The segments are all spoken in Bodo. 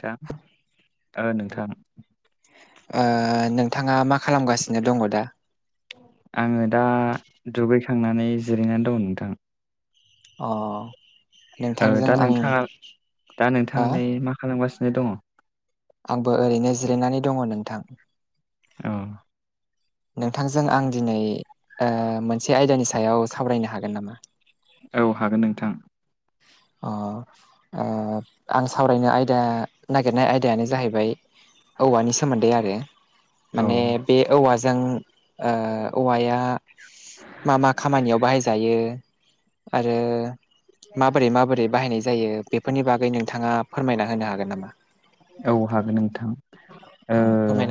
थां ओ नोंथां। ओ नोंथाङा मा खालामगासिनो दङ' दा? आङो दा दुगैखांनानै जिरायनानै दं नोंथां। अ। ओ नोंथांजों दा आं नोंथाङा दा हो नोंथाङालाय मा खालामगासिनो दङ'? आंबो ओरैनो जिरायनानै दङ' नोंथां। अ। नोंथांजों आं दिनै ओ मोनसे आयदानि सायाव सावरायनो हागोन नामा? औ हागोन नोंथां। अ। ओ आं सावरायनो आयदा नागिरनाय आयदायानो जाहैबाय औवानि सोमोन्दै आरो औ माने बे औवाजों ओ औवाया मा मा खामानियाव बाहायजायो आरो माबोरै माबोरै बाहायनाय जायो बेफोरनि बागै नोंथाङा फोरमायना होनो हागोन नामा? औ हागोन नोंथां ओ अ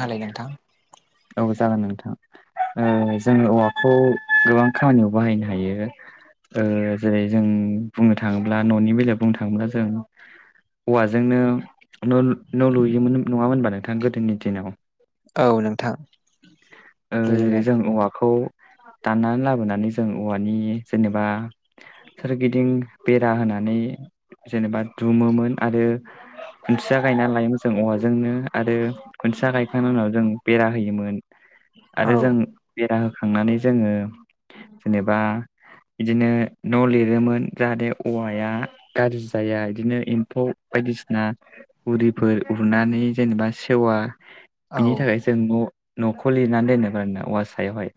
[unintelligible] नोंथां औ जागोन नोंथां। ओ जोङो औवाखौ गोबां खामानियाव बाहायनो हायो। ओ जेरै जों बुंनो थाङोब्ला न'नि बेलायाव बुंनो थाङोब्ला जों औवाजोंनो' न'ल न' लुयोमोन नङामोन ओनबा नोंथां गोदोनि दिनाव औ नोंथां। ओ जेरै लुयोमोन जों औवाखौ दाननानै लाबोनानै जों औवानि जेनेबा सोरगिदिं बेरा होनानै जेनेबा दुमोमोन आरो खुन्थिया गायनानै लायोमोन जों औवाजोंनो आरो खुन्थिया गायखांनायनि उनाव जों बेरा होयोमोन। औ आरो जों बेरा होखांनानै जोङो जेनेबा बिदिनो न' लिरोमोन जाहाथे औवाया गारजि जाया इदिनो एम्फौ बायदिसिना उरिफोर उरनानै जेनेबा सेवा। औ बिनि थाखाय जों न'-न'खौ लिरनानै दोनोमोननो औवा सायावहाय।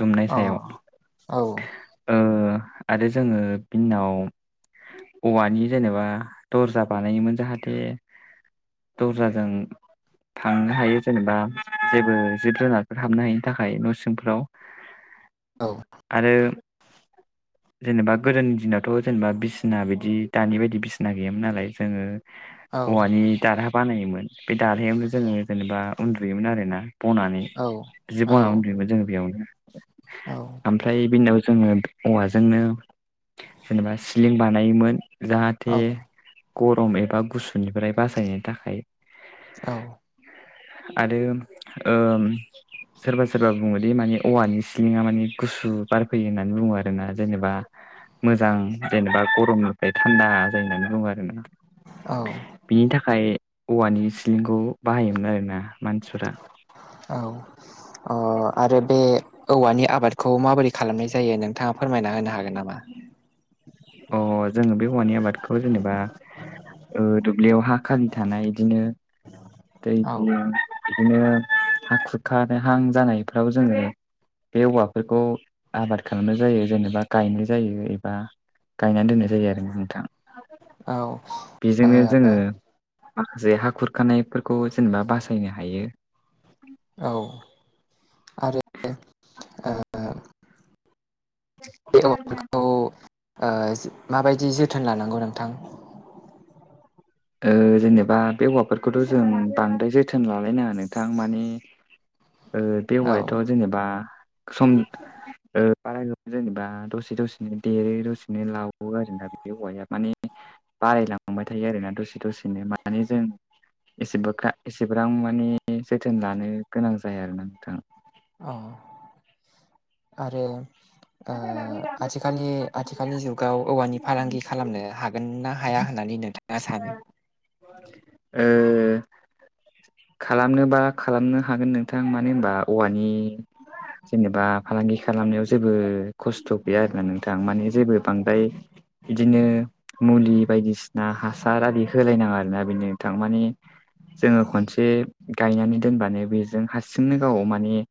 दुमनाय अ सायाव औ ओ आरो जोङो बिनि उनाव औवानि जेनेबा दरजा बानायोमोन जाहाथे दरजाजों थांनो हायो जेनेबा जेबो जिब जुनारफोर हाबनो हायिनि थाखाय न' सिंफोराव औ आरो जेनेबा गोदोनि दिनावथ' जेनेबा बिसिना बिदि दानि बायदि बिसिना गैयामोन नालाय जोङो औ औवानि दारहा बानायोमोन बे दारहायावनो जोङो जेनेबा उन्दुयोमोन आरोना। बनानै औ जि बना उन्दुयोमोन जोङो बेयावनो। औ। ओमफ्राय बिनि उनाव जोङो औवाजोंनो जेनेबा सिलिं बानायोमोन। जाहाथे गरम एबा गुसुनिफ्राय बासायनो थाखाय। औ। आरो ओम। सोरबा सोरबा बुङोदि माने औवानि सिलिंआ माने गुसु बार फैयो होननानै बुङो आरोना जेनेबा मोजां जेनेबा गरमनिफ्राय थान्दा जायो होननानै बुङो आरोना। औ। बिनि थाखाय औवानि सिलिंखौ बाहायोमोन आरोना मान औ अ आरो बे औवानि आबादखौ माबोरै खालामनाय जायो नोंथाङा फोरमायना होनो हागोन नामा? अ जों बे औवानि आबादखौ जेनेबा ओ दुब्लियाव हा खालि थानाय इदिनो‌ दै औ बियो इदिनो हा खुरखानोहां जानायफ्राव जोङो बे औवाफोरखौ आबाद खालामनाय जायो जेनेबा गायनाय जायो एबा गायना दोननाय जायो आरो नोंथां औ बेजोंनो जोङो माखासे हा खुरखानायफोरखौ जेनेबा बासायनो हायो। औ आरो ओ [inaudible] ओ माबायदि जोथोन लानांगौ नोंथां? ओ जेनेबा बे औवाफोरखौथ' जों बांद्राय जोथोन लालायनाङा नोंथां माने [inaudible] ओ बे औ औवायाथ' जेनेबा सम ओ बारायनोबो जेनेबा दसे दसेनो देरो दसेनो लावो आरोना बे औवाया माने बारायलांबाय थायो आरोना दसे दसेनो माने जों एसेबोख्रा एसेब्रां माने जोथोन लानो गोनां जाया आरोना नोंथां। अ आरो। ओ आथिखालनि आथिखालनि जुगाव औवानि फालांगि खालामनो हाग गोन ना हाया होननानै नोंथाङा सानो? ओ खालामनोबा खालामनो हागोन नोंथां मानो होनबा औवानि जेनेबा फालांगि खालामनायाव जेबो खस्थ' गैया आरोना नोंथां माने जेबो बांद्राय बिदिनो मुलि बायदिसिना हासार आरि होलायनाङा आरोना बिनो नोंथां मानि जोङो खनसे गायनानै दोनबानो बेजों हारसिंनो गाव माने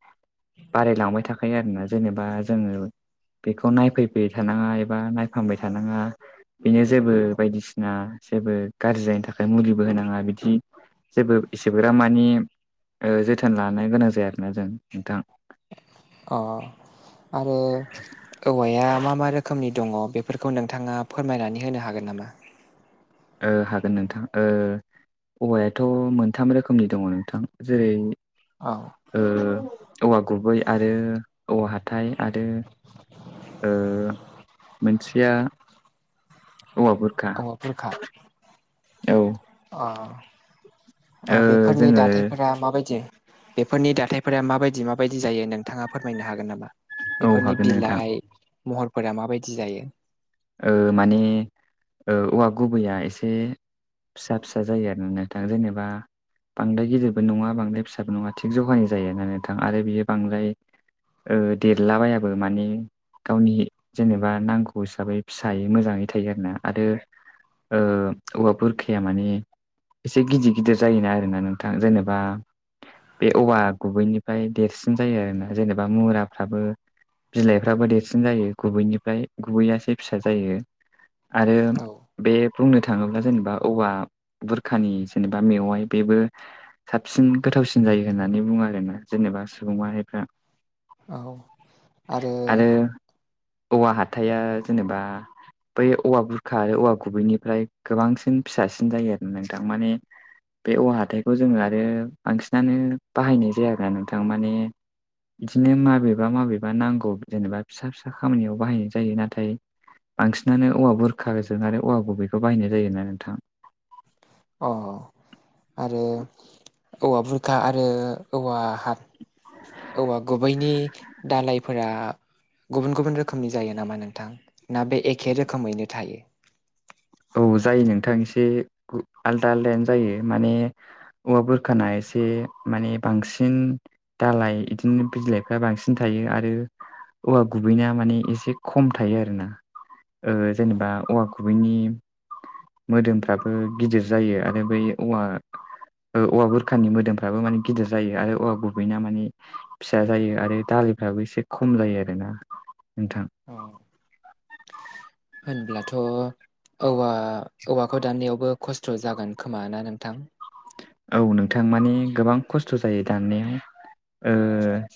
बारायलांबाय थाखायो आरोना जेनेबा जोङो बेखौ नायफैबाय थानाङा एबा नायफामबाय थानाङा बेनो जेबो बायदिसिना जेबो गाज्रि जायैनि थाखाय मुलिबो होनाङा बिदि जेबो इसेफोरा मानि ओ जोथोन लानो गोनां जायाखैना जों नोंथां। अ आंबो औवाया मा मा रोखोमनि दङ बेफोरखौ नोंथाङा फोरमायनानै होनो हागोन नामा? ओ हागोन नोंथां ओ औवायाथ' मोनथाम रोखोमनि दङ नोंथां जेरै औ। ओ औवा गुबै आरो औवा हाथाय आरो ओ मोनसेया औवा बुरखा अ' बुरखा औ। अ' ओ बेफोरनि दाथायफोरा माबायदि बेफोरनि दाथायफोरा माबायदि माबायदि जायो नोंथाङा फोरमायनो हागोन नामा? औ बेफोरनि हागोन नोंथां बिलाइ महरफोरा माबायदि जायो। ओ माने ओ औवा गुबैया एसे फिसा फिसा जायो आरो नोंथां जेनेबा बांद्राय गिदिरबो नङा बांद्राय फिसाबो नङा थिग जगायैनो जायो आरो नोंथां। आरो बियो बांद्राय ओ देरलाबायाबो माने गावनि जेनेबा नांगौ हिसाबै फिसायै मोजाङै थायो आरो ना। आरो ओ औवा बुरखाया माने एसे गिदि गिदिर जायोना आरो ना नोंथां। जेनेबा बे औवा गुबैनिफ्राय देरसिन जायो आरोना जेनेबा मुराफ्राबो। बिलाइफ्राबो देरसिन जायो। गुबैनिफ्राय गुबैयासो फिसा जायो आरो औ बे बुंनो थाङोब्ला जेनेबा औवा बुरखानि जेनेबा मेवाय बेबो साबसिन गोथावसिन जायो होननानै बुङो आरो‌ ना जेनेबा सुबुं माहारिफ्रा। औ आरो औवा हाथाया जेनेबा बै औवा बुरखा औवा गुबैनिफ्राय गोबांसिन फिसासिन जायो आरो ना नोंथां। माने बे औवा हाथायखौ जोङो आरो बांसिनानो बाहायनाय जाया ना नोंथां माने इदिनो माबेबा माबेबा नांगौ जेनेबा फिसा फिसा खामानियाव बाहायनाय जायो। नाथाय बांसिनानो औवा बुरख गोजों आरो औवा गुबैखौ बाहायनाय जायो ना नोंथां। अ' आरो औवा बुरखा आरो औवा फाथ औवा गुबैनि दालायफोरा गुबुन गुबुन रोखोमनि जायो नामा नोंथां? ना बे एखे रोखोमैनो थायो। औ जायो नोंथां एसे आलदा आलदायानो जायो। माने औवा बुरखाना एसे माने बांसिन दालाय इदिनो बिलायफ्रा बांसिन थायो। आरो औवा गुबैना माने एसे खम थायो आरो ना। ओ अ जेनेबा औवा गुबैनि मोदोमफ्राबो गिदिर जायो। आरो बै औवा ओ औवा बोरखानि मोदोमफ्राबो माने गिदिर जायो। आरो औवा गुबैना माने फिसा जायो आरो दालिफ्राबो एसे खम जायो आरोना नोंथां। औ होनब्लाथ' औवा औवाखौ दाननायावबो खस्थ' जागोन खोमा ना नोंथां। औ नोंथां माने गोबां खस्थ' जायो। दाननायाव ओ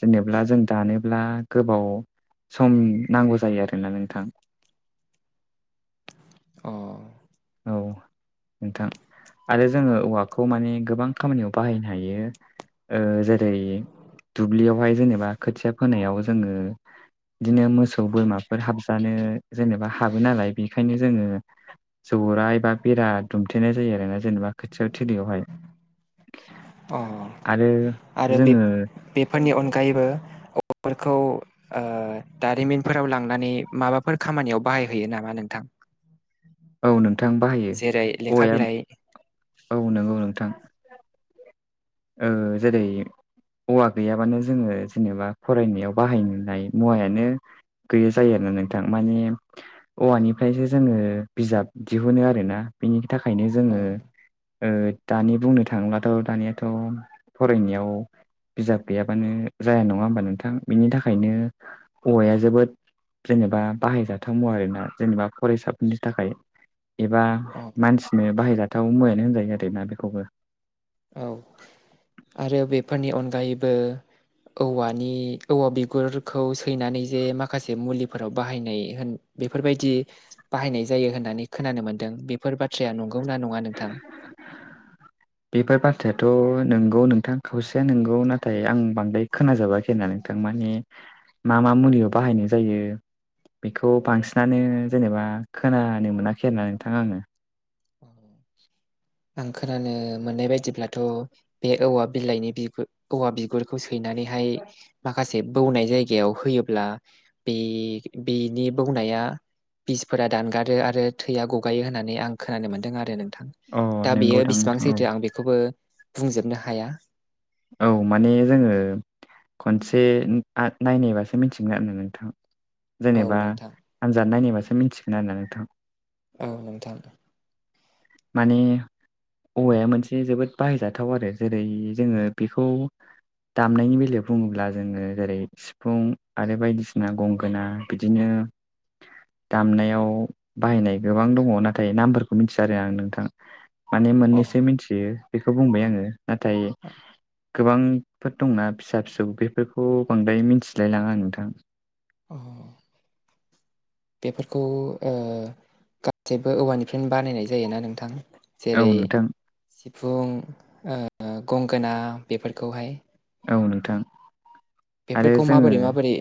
जेनेब्ला जों दानोब्ला गोबाव सम नांगौ जायो आरोना नोंथां। अ' औ नोंथां आरो जोङो औवाखौ माने गोबां खामानियाव बाहायनो हायो। ओ जेरै दुब्लियावहाय जेनेबा खोथिया फोनायाव जोङो। दिनो मोसौ, बोरमाफोर हाबजानो जेनेबा हाबो नालाय बेखायनो जोङो। जौरा एबा बेरा दुमथेनाय जायो आरो ना जेनेबा खोथियाव थोलियावहाय। अ आरो आरो बे जोङो बेफोरनि अनगायैबो औवाफोरखौ ओ दारिमिनफोराव लांनानै माबाफोर खामानियाव बाहायहैयो नामा नोंथां? औ नोंथां बाहायो। जेरै लेखा औवाया बिलाइ औ नंगौ नोंथां। ओ जेरै औवा गैयाबानो जोङो जेनेबा फरायनायाव बाहायनाय मुवायानो गैया जायो आरो ना नोंथां। माने औवानिफ्रायसो जोङो बिजाब दिहुनो आरो ना बिनि थाखायनो औ जोङो दानि बुंनो थाङोब्लाथ' दानिया थ' फरायनायाव बिजाब गैयाबानो जाया नङा होमबा नोंथां बिनि थाखायनो हौवाया जोबोद जेनेबा बाहायजाथाव आरोना जेनेबा फरायसाफोरनि थाखाय एबा औ मानसिनो बाहायजाथाव मुआयानो होनजायो आरोना बेखौबो औ आरो बेफोरनि अनगायैबो औवानि औवा बिगुरखौ सोयनानै जे माखासे मुलिफोराव बाहायनाय होन बेफोरबायदि बाहायनाय जायो होननानै खोनानो मोन्दों बेफोर बाथ्राया नंगौ ना नङा नोंथां [unintelligible] बेफोर बाथ्रायाथ' नोंगौ नोंथां खावसेया नोंगौ नाथाय आं बांद्राय खोनाजाबखो नोंथां माने मा मा मुलियाव बाहायनाय जायो बेखौ बांसिनानो जेनेबा खोनानो मोनाखै आरो नोंथाङा आङो आं खोनानो मोननाय बायदिब्लाथ' बे औवा बिलाइनि बिगुर औवा बिगुरखौ सोयनानैहाय माखासे बौनाय जायगायाव होयोब्ला बे बिनि बौनाया बिसफोरा दानगारो आरो थैया गगायो होननानै आं खोनानो मोन्दों आरो नोंथां अ दा नंगौ बेयो दां बेसेबां नोंथां औ सैथो आं बेखौबो बुंजोबनो हाया औ माने जोङो खनसे नायनायबासो मिथिगोन आरोना नोंथां औ जेनेबा नोंथां आनजाद नायनायबासो मिथिगोन आरोना नोंथां औ नोंथां माने औवाया मोनसे जोबोद बाहायजाथाव आरो जेरै जोङो बेखौ दामनायनि बेलायाव बुङोब्ला जोङो जेरै सिफुं आरो बायदिसिना गंगोना बिदिनो दामनायाव बाहायनाय गोबां दङ नाथाय नामफोरखौ मिथिया आं नोंथां माने अ मोननैसो मिथियो बेखौ बुंबाय आङो नाथाय गोबांफोर दंना फिसा फिसौ बेफोरखौ बांद्राय मिथिलायलाङा नोंथां औ [unintelligible] बेफोरखौ गासैबो औवानिफ्रायनो बानायनाय जायोना नोंथां औ जेरै नोंथां सिफुं गंगोना बेफोरखौहाय औ नोंथां आरो बेफोरखौ जोङो माबोरै माबोरै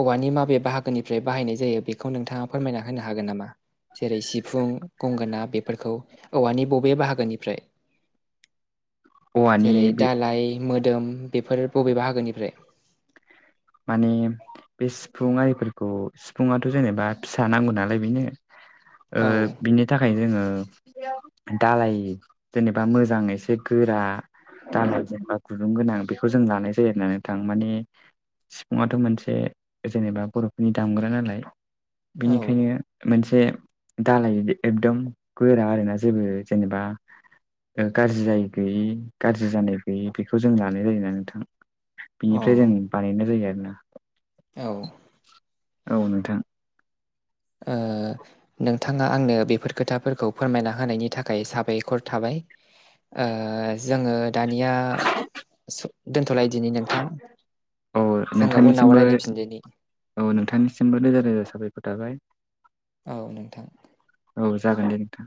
औवानि माबे बाहागोनिफ्राय बाहायनाय जायो बेखौ नोंथाङा फोरमायना होनो हागोन नामा जेरै सिफुं गंगोना बेफोरखौ औवानि बबे बाहागोनिफ्राय औवानि जेरै बे दालाय मोदोम बेफोर बबेबाहागोनिफ्राय बे [unintelligible] माने बे सिफुं आरिफोरखौ सिफुाथ' जेनेबा फिसा नांगौ नालाय ओ बिनो औ बिनि थाखायनो जोङो दालाय जेनेबा मोजां एसे गोरा दालय जेनबा गुदुं गोनां बेखौ जों लानाय जायो नोंथां माने सिफुङथ' मोनसे जेनेबा बर'फोरनि दामग्रा नालाय औ बिनिखायनो मोनसे दालाय एकदम गोरा आरोना जेबो जेनेबा गाज्रि जायै गैयि गाज्रि जानाय गैयै बेखौ जों लानाय जायोना नोंथां बिनिफ्राय जों अ बानायनाय जायो आरोना औ [inaudible] औ नोंथां ओ नोंथाङा आंनो बेफोर खोथाफोरखौ फोरमायना होनायनि थाखाय साबायखर थाबाय ओ जोङो दानिया दोनथ'लाय दिनि नोंथां औ जोङो उनाव नोंथांनिसिमबो रायज्लायफिनदोनि औ नोंथांनिसिमबो रोजा रोजा साबायखर थाबाय। औ नोंथां औ जागोन दे नोंथां।